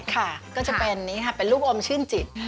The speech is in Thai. ค่ะก็จะเป็นนี่ค่ะเป็นลูกอมชื่นจิต